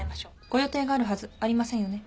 ご予定があるはずありませんよね。